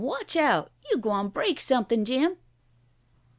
Watch out! You gwine break somethin', Jim!"